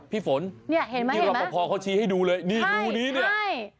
พี่ฝนที่รับพอพอเขาชี้ให้ดูเลยดูดีดี